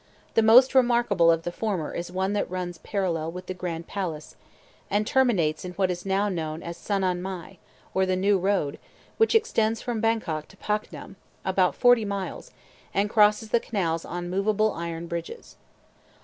The most remarkable of the former is one that runs parallel with the Grand Palace, and terminates in what is now known as "Sanon Mai," or the New Road, which extends from Bangkok to Paknam, about forty miles, and crosses the canals on movable iron bridges.